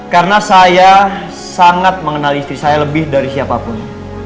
karena saya sangat mengenal istri saya lebih dari siapapun